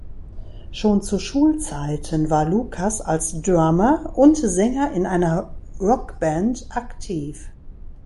Schon zu Schulzeiten war Lukas als Drummer und Sänger in einer Rockband aktiv.